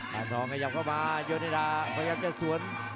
ทองขยับเข้ามาโยธิดาพยายามจะสวน